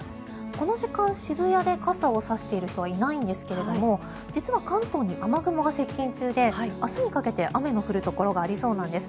この時間渋谷で傘を差している人はいないんですけれども実は関東に雨雲が接近中で明日にかけて雨の降るところがありそうなんです。